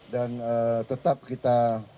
dan tetap kita